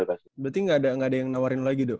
berarti gak ada yang nawarin lagi do